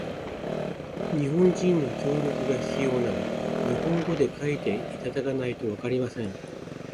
日本人の協力が必要なら、日本語で書いていただかないとわかりません。